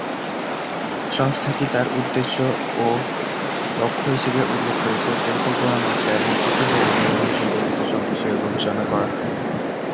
সংস্থাটি তার উদ্দেশ্য ও লক্ষ্য হিসেবে উল্লেখ করেছে, পরিকল্পনা, নকশা এবং উচু ভবন নির্মাণ সম্পর্কিত সব বিষয়ে গবেষণা করা।